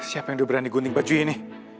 siapa yang sudah berani gunting baju ini